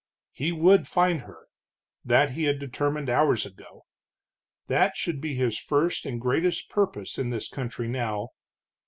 He would find her; that he had determined hours ago. That should be his first and greatest purpose in this country now.